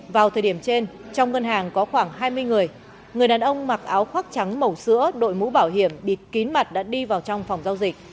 vào thời điểm trên trong ngân hàng có khoảng hai mươi người người đàn ông mặc áo khoác trắng màu sữa đội mũ bảo hiểm bịt kín mặt đã đi vào trong phòng giao dịch